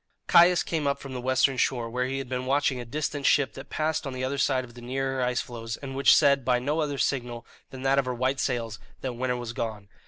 Caius came up from the western shore, where he had been watching a distant ship that passed on the other side of the nearer ice floes, and which said, by no other signal than that of her white sails, that winter was gone.